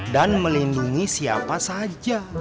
dan melindungi siapa saja